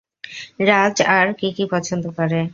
রাজ আর কি কি পছন্দ করে?